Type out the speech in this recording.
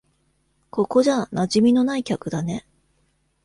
ここじゃ馴染みのない客だね。